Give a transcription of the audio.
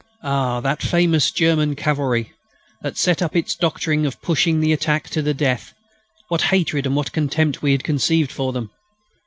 Ah! that famous German cavalry, that set up its doctrine of pushing the attack to the death, what hatred and what contempt had we conceived for them!